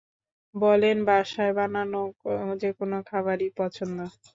বলেন, বাসায় বানানো যেকোনো খাবারই পছন্দ।